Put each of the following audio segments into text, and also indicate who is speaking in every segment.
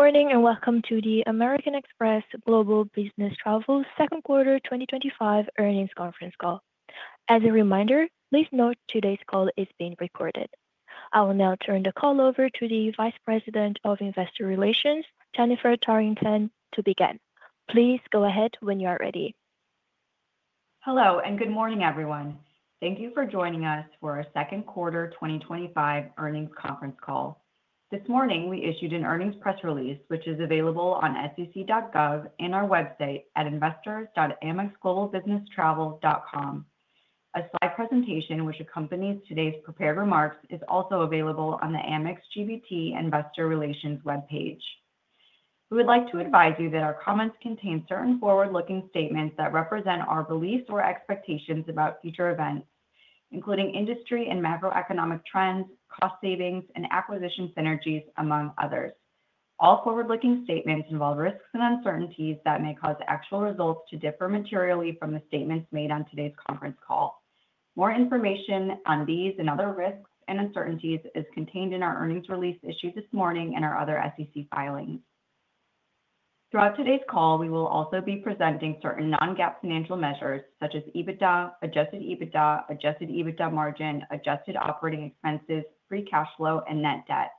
Speaker 1: Good morning and welcome to the American Express Global Business Travel's Second Quarter 2025 Earnings Conference Call. As a reminder, please note today's call is being recorded. I will now turn the call over to the Vice President of Investor Relations, Jennifer Thorington, to begin. Please go ahead when you are ready.
Speaker 2: Hello and good morning, everyone. Thank you for joining us for our second quarter 2025 earnings conference call. This morning, we issued an earnings press release, which is available on SEC.gov and our website at investor.amexglobalbusinesstravel.com. A slide presentation which accompanies today's prepared remarks is also available on the Amex GBT Investor Relations webpage. We would like to advise you that our comments contain certain forward-looking statements that represent our beliefs or expectations about future events, including industry and macro-economic trends, cost savings, and acquisition synergies, among others. All forward-looking statements involve risks and uncertainties that may cause actual results to differ materially from the statements made on today's conference call. More information on these and other risks and uncertainties is contained in our earnings release issued this morning and our other SEC filings. Throughout today's call, we will also be presenting certain non-GAAP financial measures, such as EBITDA, adjusted EBITDA, adjusted EBITDA margin, adjusted operating expenses, free cash flow, and net debt.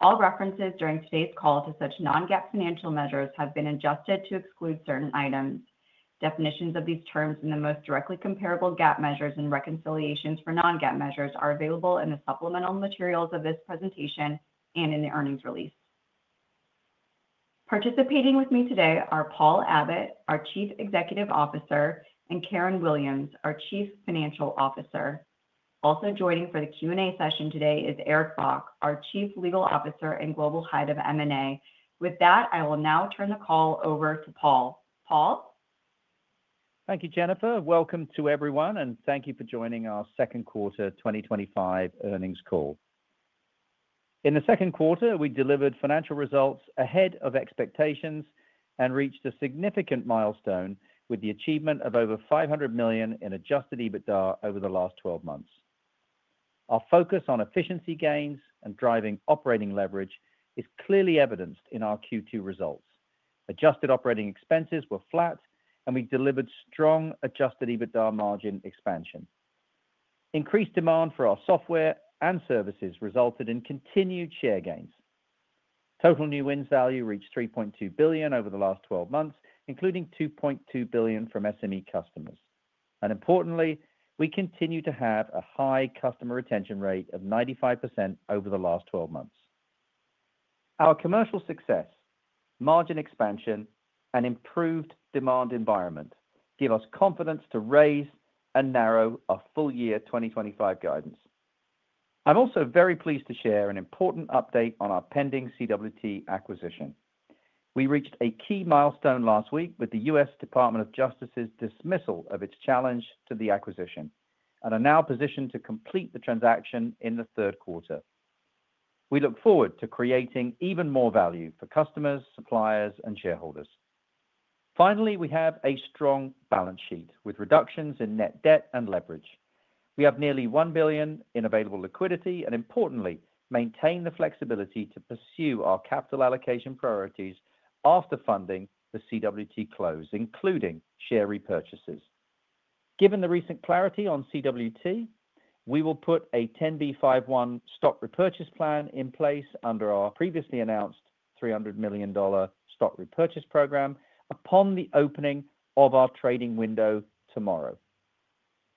Speaker 2: All references during today's call to such non-GAAP financial measures have been adjusted to exclude certain items. Definitions of these terms and the most directly comparable GAAP measures and reconciliations for non-GAAP measures are available in the supplemental materials of this presentation and in the earnings release. Participating with me today are Paul Abbott, our Chief Executive Officer, and Karen Williams, our Chief Financial Officer. Also joining for the Q&A session today is Eric Bock, our Chief Legal Officer and Global Head of M&A. With that, I will now turn the call over to Paul. Paul?
Speaker 3: Thank you, Jennifer. Welcome to everyone, and thank you for joining our second quarter 2025 earnings call. In the second quarter, we delivered financial results ahead of expectations and reached a significant milestone with the achievement of over $500 million in adjusted EBITDA over the last 12 months. Our focus on efficiency gains and driving operating leverage is clearly evidenced in our Q2 results. Adjusted operating expenses were flat, and we delivered strong adjusted EBITDA margin expansion. Increased demand for our software and services resulted in continued share gains. Total new wins value reached $3.2 billion over the last 12 months, including $2.2 billion from SME customers. Importantly, we continue to have a high customer retention rate of 95% over the last 12 months. Our commercial success, margin expansion, and improved demand environment give us confidence to raise and narrow our full year 2025 guidance. I'm also very pleased to share an important update on our pending CWT acquisition. We reached a key milestone last week with the U.S. Department of Justice's dismissal of its challenge to the acquisition and are now positioned to complete the transaction in the third quarter. We look forward to creating even more value for customers, suppliers, and shareholders. Finally, we have a strong balance sheet with reductions in net debt and leverage. We have nearly $1 billion in available liquidity and, importantly, maintain the flexibility to pursue our capital allocation priorities after funding the CWT close, including share repurchases. Given the recent clarity on CWT, we will put a 10b5-1 stock repurchase plan in place under our previously announced $300 million stock repurchase program upon the opening of our trading window tomorrow.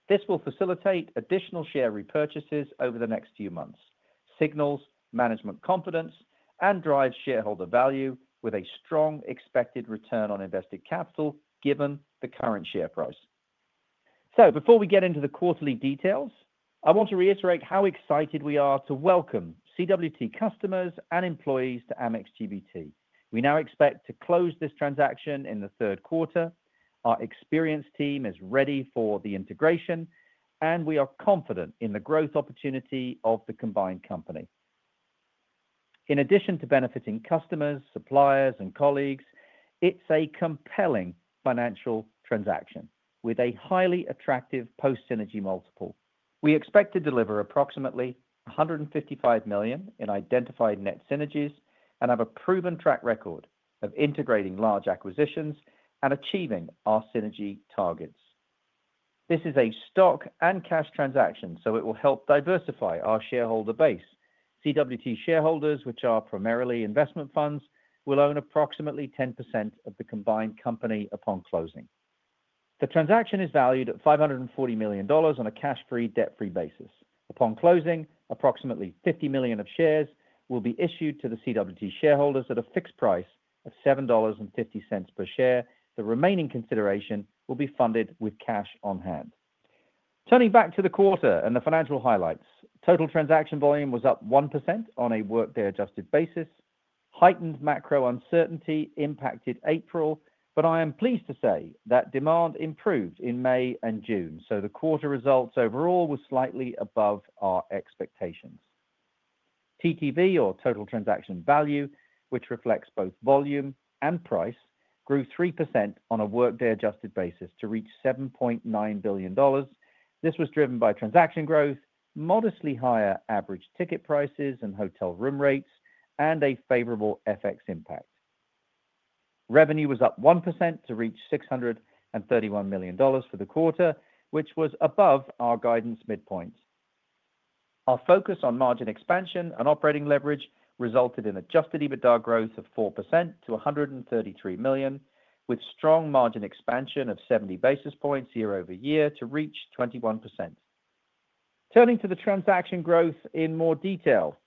Speaker 3: This will facilitate additional share repurchases over the next few months, signals management confidence, and drives shareholder value with a strong expected return on invested capital given the current share price. Before we get into the quarterly details, I want to reiterate how excited we are to welcome CWT customers and employees to Amex GBT. We now expect to close this transaction in the third quarter. Our experienced team is ready for the integration, and we are confident in the growth opportunity of the combined company. In addition to benefiting customers, suppliers, and colleagues, it's a compelling financial transaction with a highly attractive post-synergy multiple. We expect to deliver approximately $155 million in identified net synergies and have a proven track record of integrating large acquisitions and achieving our synergy targets. This is a stock and cash transaction, so it will help diversify our shareholder base. CWT shareholders, which are primarily investment funds, will own approximately 10% of the combined company upon closing. The transaction is valued at $540 million on a cash-free, debt-free basis. Upon closing, approximately $50 million of shares will be issued to the CWT shareholders at a fixed price of $7.50 per share. The remaining consideration will be funded with cash on hand. Turning back to the quarter and the financial highlights, total transaction volume was up 1% on a workday-adjusted basis. Heightened macro-economic uncertainty impacted April, but I am pleased to say that demand improved in May and June, so the quarter results overall were slightly above our expectations. TTV, or total transaction value, which reflects both volume and price, grew 3% on a workday-adjusted basis to reach $7.9 billion. This was driven by transaction growth, modestly higher average ticket prices and hotel room rates, and a favorable FX impact. Revenue was up 1% to reach $631 million for the quarter, which was above our guidance midpoint. Our focus on margin expansion and operating leverage resulted in adjusted EBITDA growth of 4% to $133 million, with strong margin expansion of 70 basis points year-over-year to reach 21%. Turning to the transaction growth in more detail,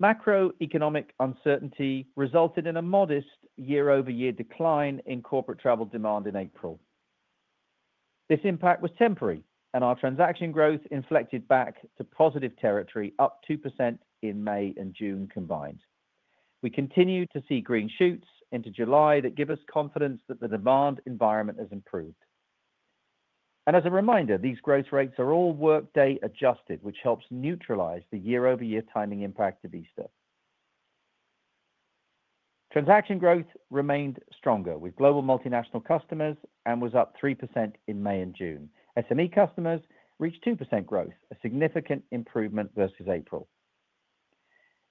Speaker 3: macro-economic uncertainty resulted in a modest year-over-year decline in corporate travel demand in April. This impact was temporary, and our transaction growth inflected back to positive territory, up 2% in May and June combined. We continue to see green shoots into July that give us confidence that the demand environment has improved. As a reminder, these growth rates are all workday adjusted, which helps neutralize the year-over-year timing impact to Vista. Transaction growth remained stronger with global multinational customers and was up 3% in May and June. SME customers reached 2% growth, a significant improvement versus April.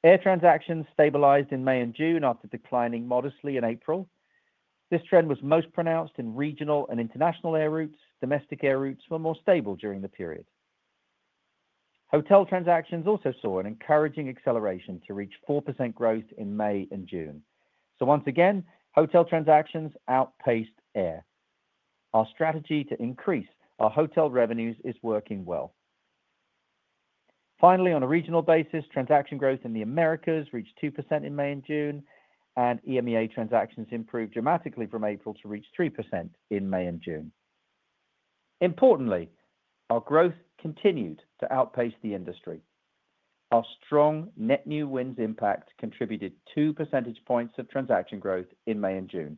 Speaker 3: Air transactions stabilized in May and June after declining modestly in April. This trend was most pronounced in regional and international air routes. Domestic air routes were more stable during the period. Hotel transactions also saw an encouraging acceleration to reach 4% growth in May and June. Once again, hotel transactions outpaced air. Our strategy to increase our hotel revenues is working well. Finally, on a regional basis, transaction growth in the Americas reached 2% in May and June, and EMEA transactions improved dramatically from April to reach 3% in May and June. Importantly, our growth continued to outpace the industry. Our strong net new wins impact contributed two percentage points of transaction growth in May and June.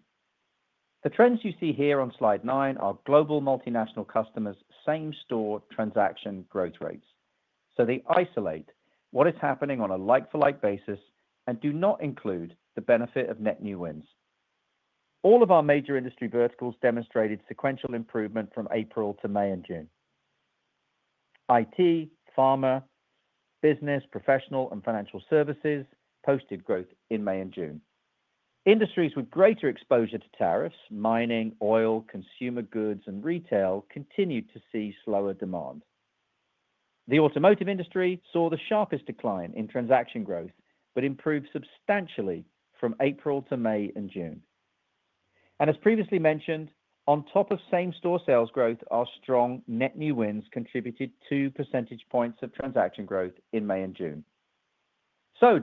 Speaker 3: The trends you see here on slide nine are global multinational customers' same-store transaction growth rates. They isolate what is happening on a like-for-like basis and do not include the benefit of net new wins. All of our major industry verticals demonstrated sequential improvement from April to May and June. IT, pharma, business, professional, and financial services posted growth in May and June. Industries with greater exposure to tariffs, mining, oil, consumer goods, and retail continued to see slower demand. The automotive industry saw the sharpest decline in transaction growth but improved substantially from April to May and June. As previously mentioned, on top of same-store sales growth, our strong net new wins contributed two percentage points of transaction growth in May and June.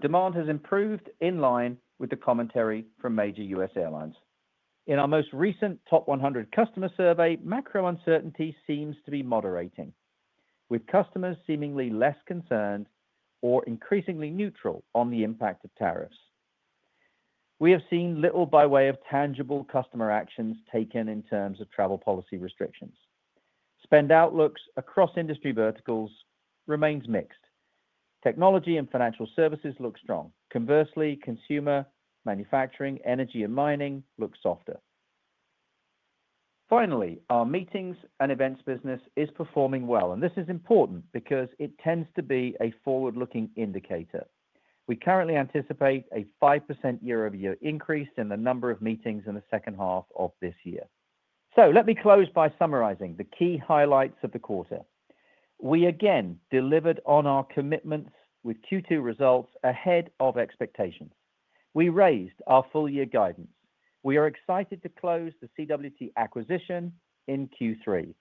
Speaker 3: Demand has improved in line with the commentary from major U.S. airlines. In our most recent top 100 customer survey, macro-economic uncertainty seems to be moderating, with customers seemingly less concerned or increasingly neutral on the impact of tariffs. We have seen little by way of tangible customer actions taken in terms of travel policy restrictions. Spend outlooks across industry verticals remain mixed. Technology and financial services look strong. Conversely, consumer, manufacturing, energy, and mining look softer. Finally, our meetings and events business is performing well, and this is important because it tends to be a forward-looking indicator. We currently anticipate a 5% year-over-year increase in the number of meetings in the second half of this year. Let me close by summarizing the key highlights of the quarter. We again delivered on our commitments with Q2 results ahead of expectation. We raised our full year guidance. We are excited to close the CWT acquisition in Q3,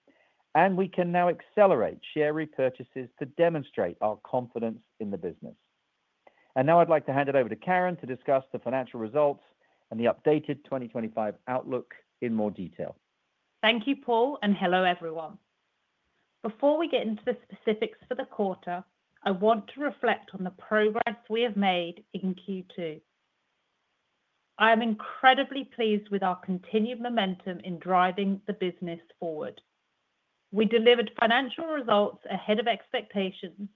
Speaker 3: and we can now accelerate share repurchases to demonstrate our confidence in the business. Now I'd like to hand it over to Karen to discuss the financial results and the updated 2025 outlook in more detail.
Speaker 4: Thank you, Paul, and hello, everyone. Before we get into the specifics for the quarter, I want to reflect on the progress we have made in Q2. I am incredibly pleased with our continued momentum in driving the business forward. We delivered financial results ahead of expectations,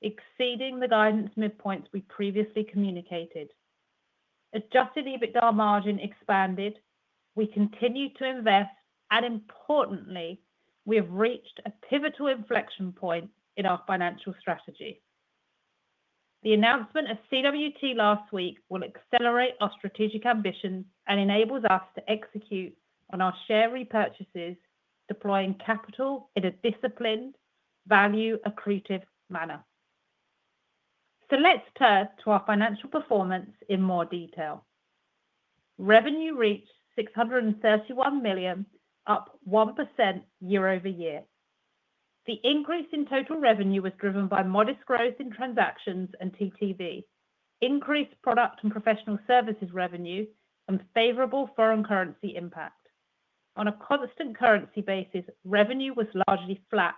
Speaker 4: exceeding the guidance midpoints we previously communicated. Adjusted EBITDA margin expanded, we continued to invest, and importantly, we have reached a pivotal inflection point in our financial strategy. The announcement of the CWT acquisition last week will accelerate our strategic ambitions and enable us to execute on our share repurchases, deploying capital in a disciplined, value-accretive manner. Let's turn to our financial performance in more detail. Revenue reached $631 million, up 1% year-over-year. The increase in total revenue was driven by modest growth in transactions and TTV, increased product and professional services revenue, and favorable foreign currency impact. On a constant currency basis, revenue was largely flat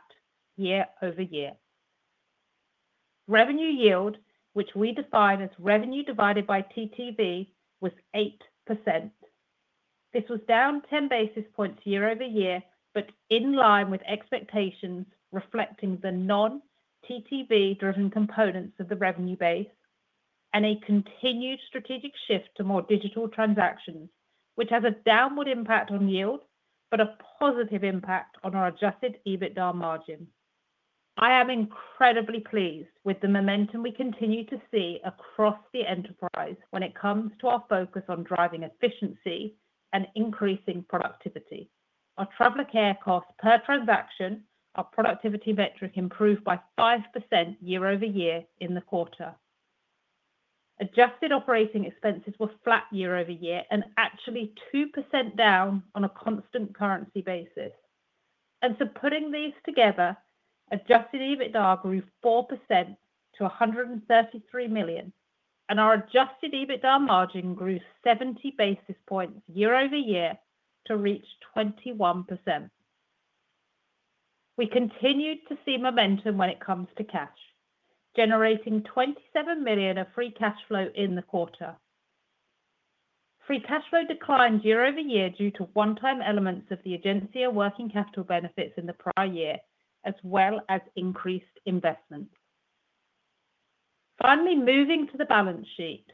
Speaker 4: year-over-year. Revenue yield, which we define as revenue divided by TTV, was 8%. This was down 10 basis points year-over-year, but in line with expectations, reflecting the non-TTV-driven components of the revenue base and a continued strategic shift to more digital transactions, which has a downward impact on yield but a positive impact on our adjusted EBITDA margin. I am incredibly pleased with the momentum we continue to see across the enterprise when it comes to our focus on driving efficiency and increasing productivity. Our travel and care costs per transaction, our productivity metric, improved by 5% year-over-year in the quarter. Adjusted operating expenses were flat year-over-year and actually 2% down on a constant currency basis. Putting these together, adjusted EBITDA grew 4% to $133 million, and our adjusted EBITDA margin grew 70 basis points year-over-year to reach 21%. We continued to see momentum when it comes to cash, generating $27 million of free cash flow in the quarter. Free cash flow declined year-over-year due to one-time elements of the agency and working capital benefits in the prior year, as well as increased investments. Finally, moving to the balance sheet,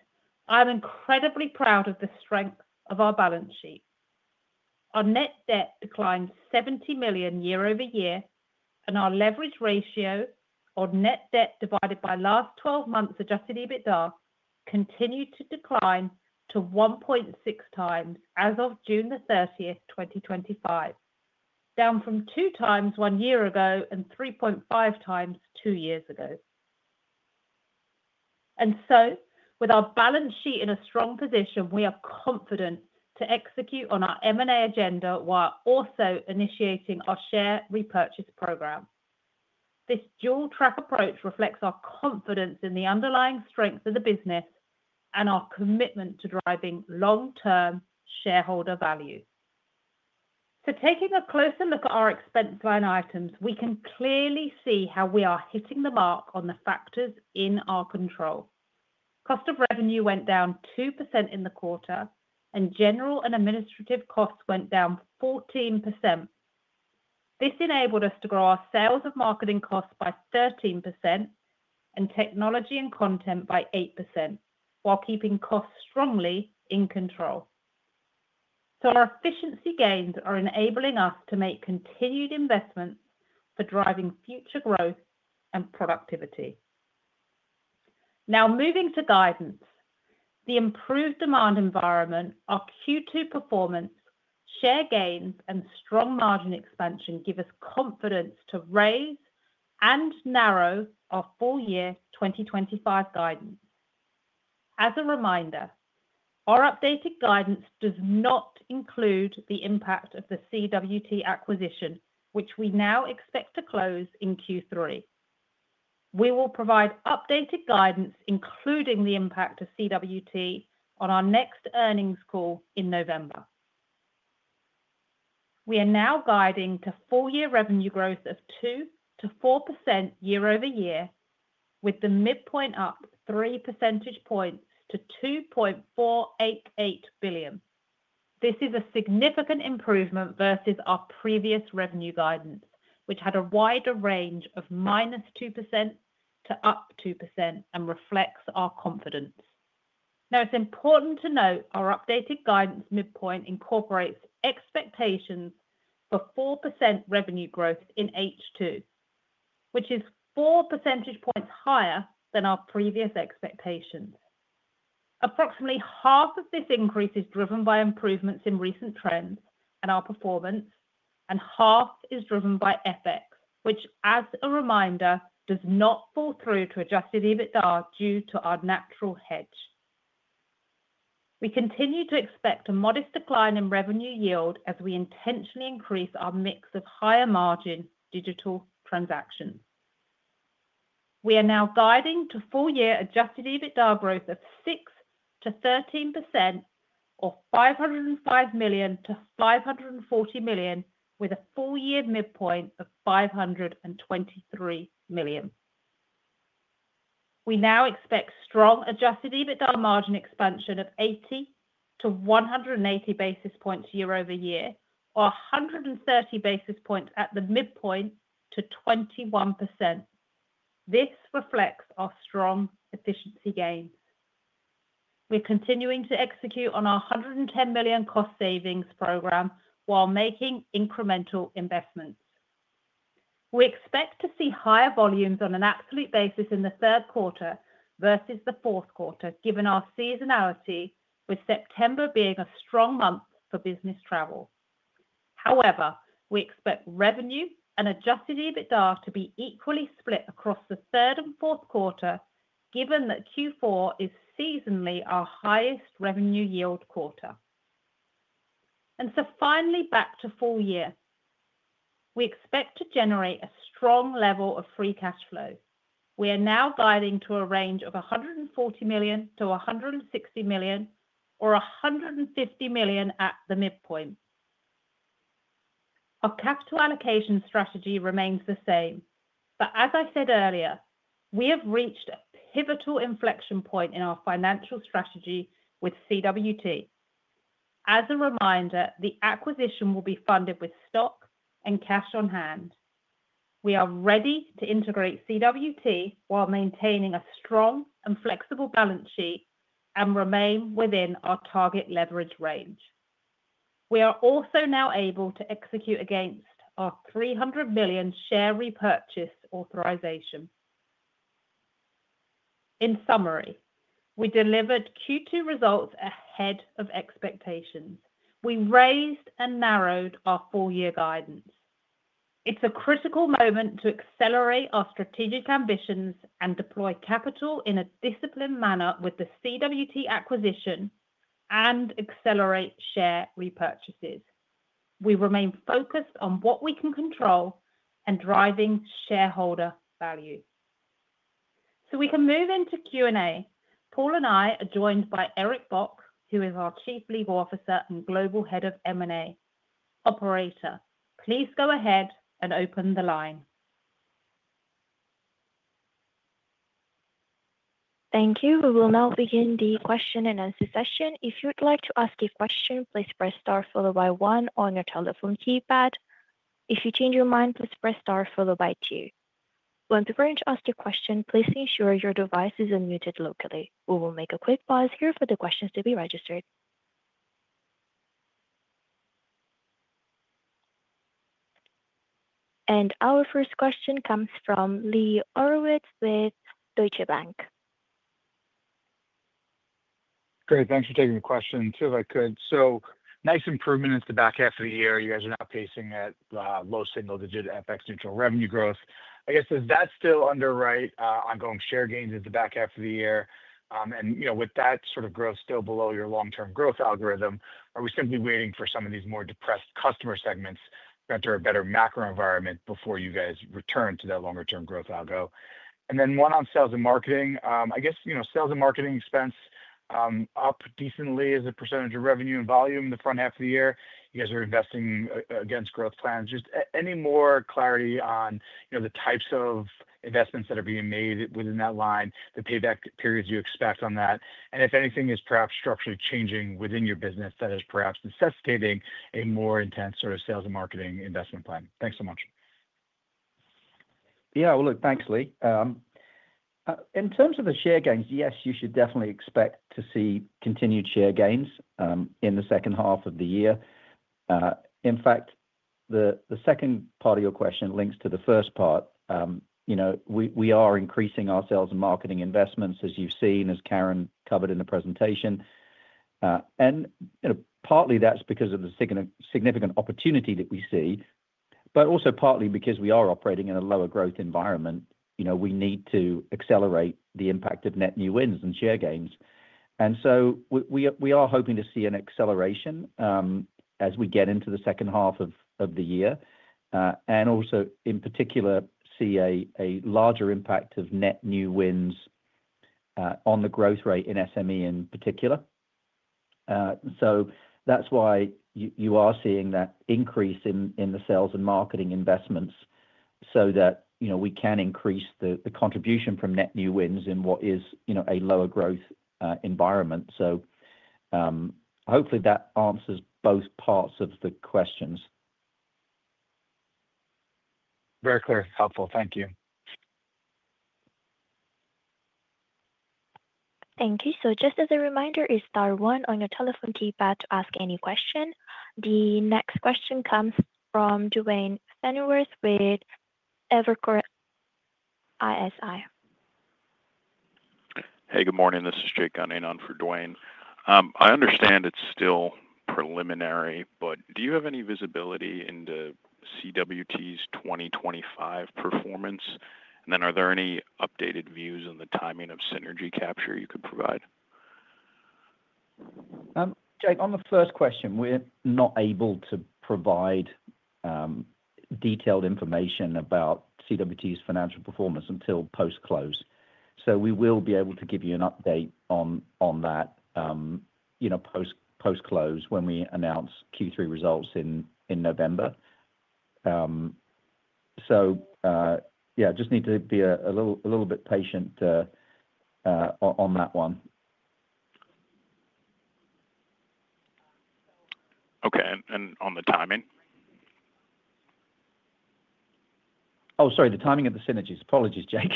Speaker 4: I am incredibly proud of the strength of our balance sheet. Our net debt declined $70 million year-over-year, and our leverage ratio, or net debt divided by last 12 months adjusted EBITDA, continued to decline to 1.6x as of June 30th, 2025, down from 2x one year ago and 3.5x two years ago. With our balance sheet in a strong position, we are confident to execute on our M&A agenda while also initiating our share repurchase program. This dual-track approach reflects our confidence in the underlying strength of the business and our commitment to driving long-term shareholder value. Taking a closer look at our expense line items, we can clearly see how we are hitting the mark on the factors in our control. Cost of revenue went down 2% in the quarter, and general and administrative costs went down 14%. This enabled us to grow our sales and marketing costs by 13% and technology and content by 8%, while keeping costs strongly in control. Our efficiency gains are enabling us to make continued investments for driving future growth and productivity. Now, moving to guidance, the improved demand environment, our Q2 performance, share gains, and strong margin expansion give us confidence to raise and narrow our full year 2025 guidance. As a reminder, our updated guidance does not include the impact of the CWT acquisition, which we now expect to close in Q3. We will provide updated guidance, including the impact of CWT, on our next earnings call in November. We are now guiding to full-year revenue growth of 2%-4% year-over-year, with the midpoint up three percentage points to $2.488 billion. This is a significant improvement versus our previous revenue guidance, which had a wider range of -2% to 2% and reflects our confidence. It is important to note our updated guidance midpoint incorporates expectations for 4% revenue growth in H2, which is four percentage points higher than our previous expectations. Approximately half of this increase is driven by improvements in recent trends and our performance, and half is driven by FX, which, as a reminder, does not fall through to adjusted EBITDA due to our natural hedge. We continue to expect a modest decline in revenue yield as we intentionally increase our mix of higher margin digital transactions. We are now guiding to full-year adjusted EBITDA growth of 6%-13% or $505 million-$540 million, with a full-year midpoint of $523 million. We now expect strong adjusted EBITDA margin expansion of 80 basis points-180 basis points year-over-year, or 130 basis points at the midpoint to 21%. This reflects our strong efficiency gains. We're continuing to execute on our $110 million cost savings program while making incremental investments. We expect to see higher volumes on an absolute basis in the third quarter versus the fourth quarter, given our seasonality, with September being a strong month for business travel. However, we expect revenue and adjusted EBITDA to be equally split across the third and fourth quarter, given that Q4 is seasonally our highest revenue yield quarter. Finally, back to full year. We expect to generate a strong level of free cash flow. We are now guiding to a range of $140 million-$160 million, or $150 million at the midpoint. Our capital allocation strategy remains the same, but as I said earlier, we have reached a pivotal inflection point in our financial strategy with CWT. As a reminder, the acquisition will be funded with stock and cash on hand. We are ready to integrate CWT while maintaining a strong and flexible balance sheet and remain within our target leverage range. We are also now able to execute against our $300 million share repurchase authorization. In summary, we delivered Q2 results ahead of expectations. We raised and narrowed our full-year guidance. It's a critical moment to accelerate our strategic ambitions and deploy capital in a disciplined manner with the CWT acquisition and accelerate share repurchases. We remain focused on what we can control and driving shareholder value. We can move into Q&A. Paul and I are joined by Eric Bock, who is our Chief Legal Officer and Global Head of M&A. Operator, please go ahead and open the line.
Speaker 1: Thank you. We will now begin the question and answer session. If you would like to ask your question, please press star followed by one on your telephone keypad. If you change your mind, please press star followed by two. When preparing to ask your question, please ensure your device is unmuted locally. We will make a quick pause here for the questions to be registered. Our first question comes from Lee Horowitz with Deutsche Bank.
Speaker 5: Great. Thanks for taking the question, too, if I could. Nice improvement at the back half of the year. You guys are now pacing at low single-digit FX neutral revenue growth. Does that still underwrite ongoing share gains at the back half of the year? With that sort of growth still below your long-term growth algorithm, are we simply waiting for some of these more depressed customer segments to enter a better macro environment before you guys return to that longer-term growth algo? One on sales and marketing. Sales and marketing expense up decently as a percentage of revenue and volume in the front half of the year. You guys are investing against growth plans. Any more clarity on the types of investments that are being made within that line, the payback periods you expect on that, and if anything is perhaps structurally changing within your business that is perhaps necessitating a more intense sort of sales and marketing investment plan. Thanks so much.
Speaker 3: Yeah. Thanks, Lee. In terms of the share gains, yes, you should definitely expect to see continued share gains in the second half of the year. In fact, the second part of your question links to the first part. You know we are increasing our sales and marketing investments, as you've seen, as Karen covered in the presentation. You know partly that's because of the significant opportunity that we see, but also partly because we are operating in a lower growth environment. You know we need to accelerate the impact of net new wins and share gains. We are hoping to see an acceleration as we get into the second half of the year, and also, in particular, see a larger impact of net new wins on the growth rate in SME in particular. That's why you are seeing that increase in the sales and marketing investments so that we can increase the contribution from net new wins in what is a lower growth environment. Hopefully, that answers both parts of the questions.
Speaker 5: Very clear, helpful. Thank you.
Speaker 1: Thank you. Just as a reminder, it's star one on your telephone keypad to ask any question. The next question comes from Duane Pfennigwerth with Evercore ISI.
Speaker 6: Hey, good morning. This is Jake Gunning on for Duane. I understand it's still preliminary, but do you have any visibility into CWT's 2025 performance? Are there any updated views on the timing of synergy capture you could provide?
Speaker 3: Jake, on the first question, we're not able to provide detailed information about CWT's financial performance until post-close. We will be able to give you an update on that post-close when we announce Q3 results in November. You just need to be a little bit patient on that one.
Speaker 6: Okay. On the timing?
Speaker 3: Oh, sorry, the timing of the synergies. Apologies, Jake.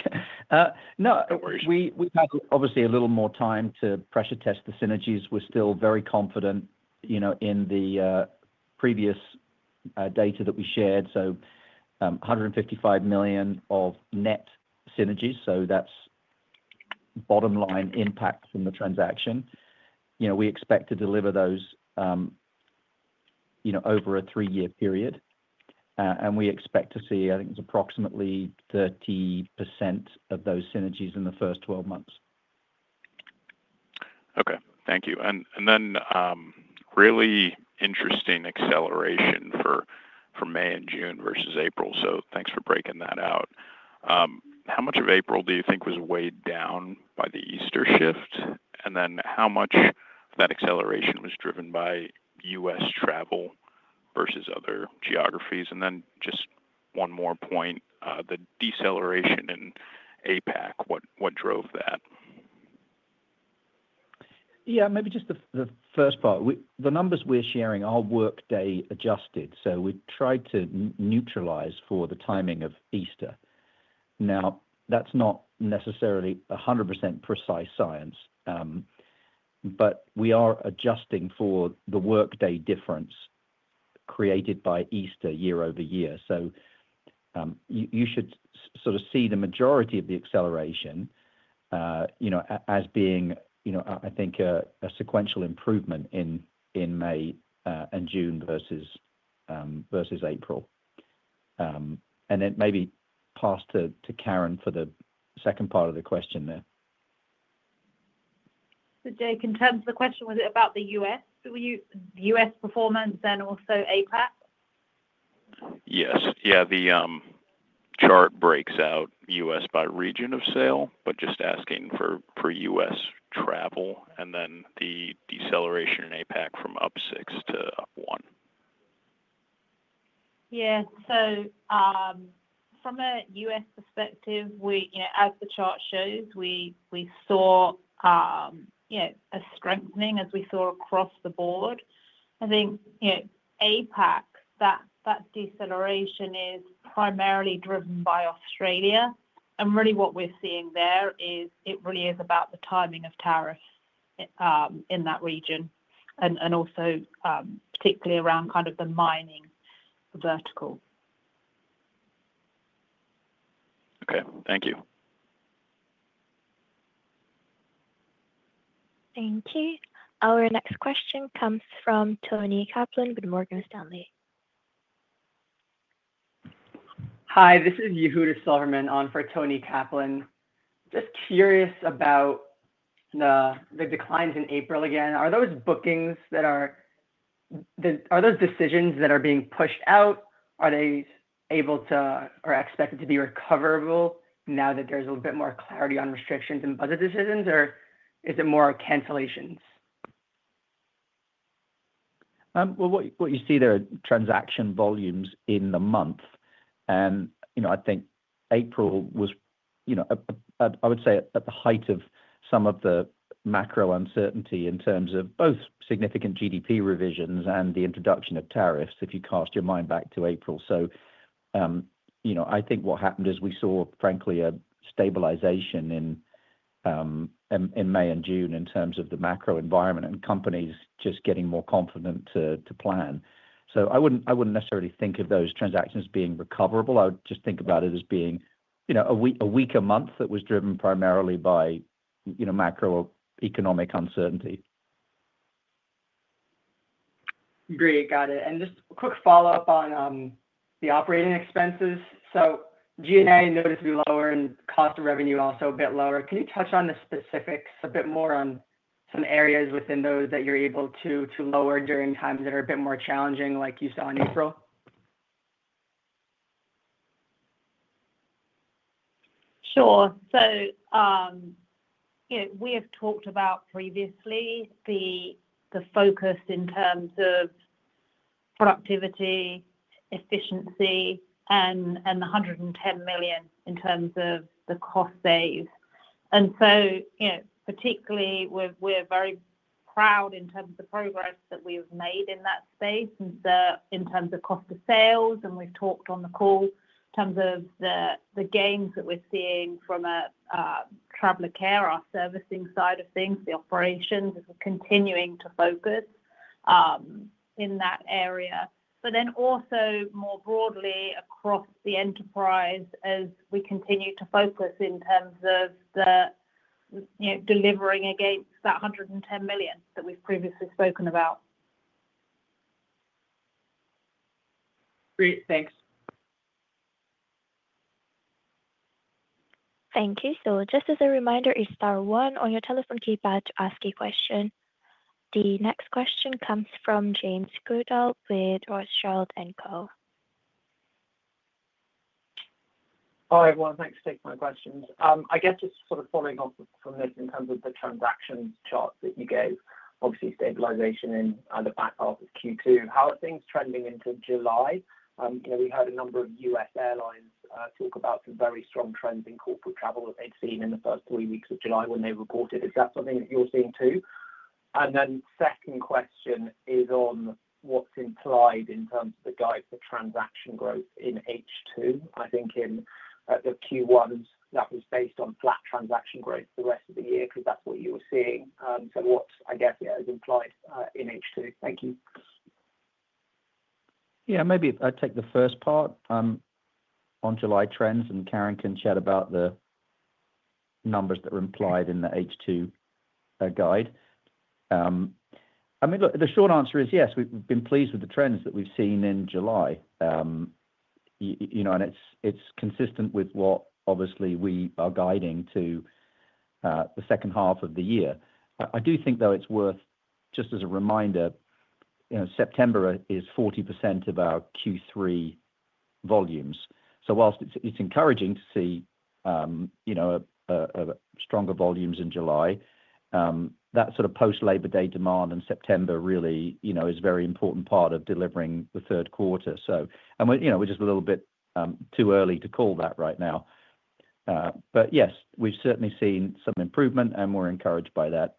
Speaker 6: No worries.
Speaker 3: We had, obviously, a little more time to pressure test the synergies. We're still very confident in the previous data that we shared. So $155 million of net synergies, that's bottom-line impact from the transaction. We expect to deliver those over a three-year period, and we expect to see, I think it's approximately 30% of those synergies in the first 12 months.
Speaker 6: Okay. Thank you. Really interesting acceleration for May and June versus April. Thanks for breaking that out. How much of April do you think was weighed down by the Easter shift? How much of that acceleration was driven by U.S. travel versus other geographies? Just one more point, the deceleration in APAC, what drove that?
Speaker 3: Yeah, maybe just the first part. The numbers we're sharing are workday adjusted. We tried to neutralize for the timing of Easter. That's not necessarily 100% precise science, but we are adjusting for the workday difference created by Easter year-over-year. You should sort of see the majority of the acceleration as being, I think, a sequential improvement in May and June versus April. Maybe pass to Karen for the second part of the question there.
Speaker 4: In terms of the question, was it about the U.S., the U.S. performance, then also APAC?
Speaker 6: Yes, the chart breaks out U.S. by region of sale, but just asking for per U.S. travel, and then the deceleration in APAC from up sixth.
Speaker 4: Yeah. From a U.S. perspective, as the chart shows, we saw a strengthening as we saw across the board. I think, you know, APAC, that deceleration is primarily driven by Australia. What we're seeing there is it really is about the timing of tariffs in that region, and also, particularly around kind of the mining vertical.
Speaker 6: Okay, thank you.
Speaker 1: Thank you. Our next question comes from Toni Kaplan with Morgan Stanley.
Speaker 7: Hi. This is Yehuda Silverman on for Toni Kaplan. Just curious about the declines in April again. Are those bookings that are being pushed out? Are they able to or expected to be recoverable now that there's a little bit more clarity on restrictions and budget decisions, or is it more cancellations?
Speaker 3: What you see there are transaction volumes in the month. I think April was, I would say, at the height of some of the macro-economic uncertainty in terms of both significant GDP revisions and the introduction of tariffs if you cast your mind back to April. I think what happened is we saw, frankly, a stabilization in May and June in terms of the macro environment and companies just getting more confident to plan. I wouldn't necessarily think of those transactions being recoverable. I would just think about it as being a week, a month that was driven primarily by macro-economic uncertainty.
Speaker 7: Great. Got it. Just a quick follow-up on the operating expenses. G&A noticeably lower and cost of revenue also a bit lower. Can you touch on the specifics a bit more on some areas within those that you're able to lower during times that are a bit more challenging, like you saw in April?
Speaker 4: Sure. We have talked about previously the focus in terms of productivity, efficiency, and the $110 million in terms of the cost saves. Particularly, we're very proud in terms of the progress that we've made in that space in terms of cost of sales. We've talked on the call in terms of the gains that we're seeing from traveler care, our servicing side of things, the operations. It's continuing to focus in that area, but then also more broadly across the enterprise as we continue to focus in terms of delivering against that $110 million that we've previously spoken about.
Speaker 7: Great. Thanks.
Speaker 1: Thank you. Just as a reminder, it's star one on your telephone keypad to ask a question. The next question comes from James Goodall with Rothschild & Co.
Speaker 8: Hi, everyone. Thanks for taking my questions. I guess just sort of following up from this in terms of the transactions chart that you gave, obviously, stabilization in the back half of Q2. How are things trending into July? We've heard a number of U.S. airlines talk about some very strong trends in corporate travel that they've seen in the first three weeks of July when they reported. Is that something that you're seeing, too? The second question is on what's implied in terms of the guide for transaction growth in H2. I think in the Q1s, that was based on flat transaction growth the rest of the year because that's what you were seeing. What's, I guess, yeah, is implied in H2? Thank you.
Speaker 3: Yeah, maybe I'd take the first part on July trends, and Karen can chat about the numbers that are implied in the H2 guide. I mean, look, the short answer is yes, we've been pleased with the trends that we've seen in July. It's consistent with what, obviously, we are guiding to the second half of the year. I do think, though, it's worth just as a reminder, September is 40% of our Q3 volumes. Whilst it's encouraging to see stronger volumes in July, that sort of post-Labor Day demand in September really is a very important part of delivering the third quarter. We're just a little bit too early to call that right now. Yes, we've certainly seen some improvement, and we're encouraged by that.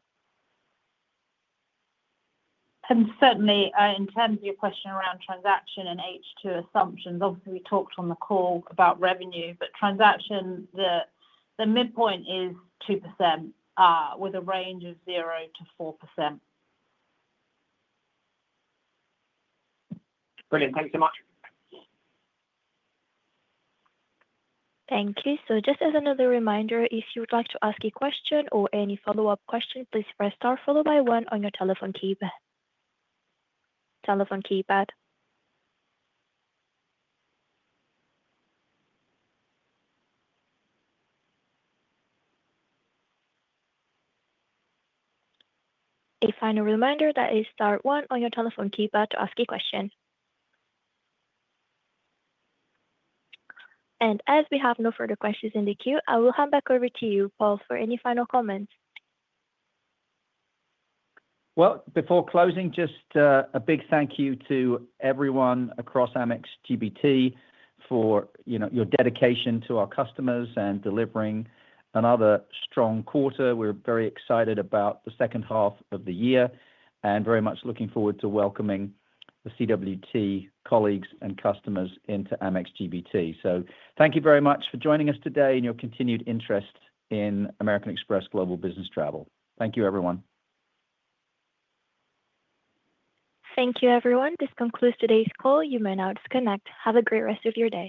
Speaker 4: Certainly, in terms of your question around transaction and H2 assumptions, obviously, we talked on the call about revenue, but transaction, the midpoint is 2% with a range of 0%-4%.
Speaker 8: Brilliant. Thank you so much.
Speaker 1: Thank you. Just as another reminder, if you would like to ask a question or any follow-up question, please press star followed by one on your telephone keypad. A final reminder that is star one on your telephone keypad to ask a question. As we have no further questions in the queue, I will hand back over to you, Paul, for any final comments.
Speaker 3: Thank you to everyone across Amex GBT for your dedication to our customers and delivering another strong quarter. We're very excited about the second half of the year and very much looking forward to welcoming the CWT colleagues and customers into Amex GBT. Thank you very much for joining us today and your continued interest in American Express Global Business Travel. Thank you, everyone.
Speaker 1: Thank you, everyone. This concludes today's call. You may now disconnect. Have a great rest of your day.